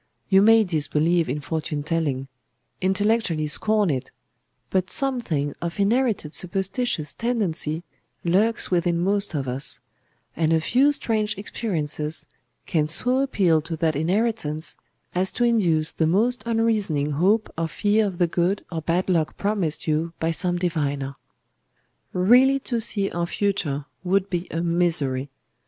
You may disbelieve in fortune telling,—intellectually scorn it; but something of inherited superstitious tendency lurks within most of us; and a few strange experiences can so appeal to that inheritance as to induce the most unreasoning hope or fear of the good or bad luck promised you by some diviner. Really to see our future would be a misery.